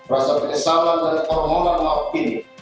rasa kesalahan dan hormonan maaf ini